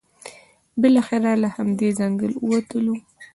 بالاخره له همدې ځنګل ووتلو.